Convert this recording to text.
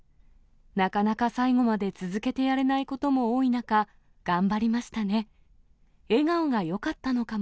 なかなか最後まで続けてやれないことも多い中、頑張りましたね。